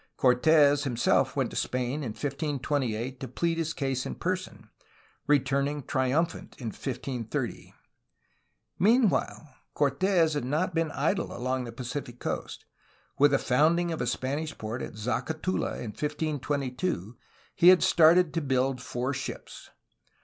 Cortes himself went to Spain in 1528 to plead his case in person, returning triumphant in 1530. Meanwhile, Cortes had not been idle along the Pacific coast. With the founding of a Spanish port at Zacatula in 1522, he had started to build four ships.